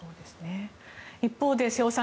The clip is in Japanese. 一方で瀬尾さん